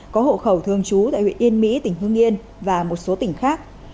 có hộ khẩu thường trú tại huyện yên mỹ tỉnh hương yên và một số tỉnh khác